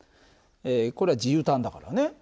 これは自由端だからね。